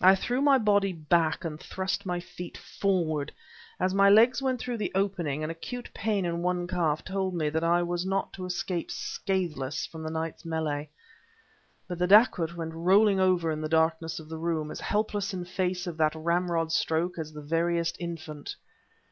I threw my body back and thrust my feet forward. As my legs went through the opening, an acute pain in one calf told me that I was not to escape scatheless from the night's melee. But the dacoit went rolling over in the darkness of the room, as helpless in face of that ramrod stroke as the veriest infant...